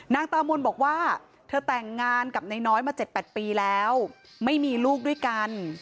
นางตามนบอกว่าเธอแต่งงานกับนายน้อยมา๗๘ปีแล้วไม่มีลูกด้วยกัน